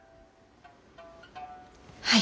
はい。